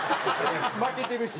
負けてるし。